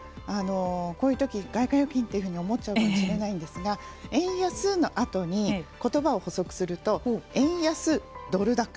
こういうとき外貨預金というふうに思っちゃうかもしれないんですが円安のあとにことばを補足すると円安ドル高。